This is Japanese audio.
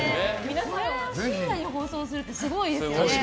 これを深夜に放送するってすごいですよね。